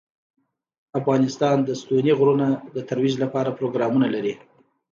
افغانستان د ستوني غرونه د ترویج لپاره پروګرامونه لري.